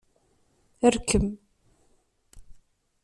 Rkem.